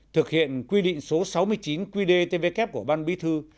thực hiện quy định số sáu mươi chín qdtvk của ban bí thư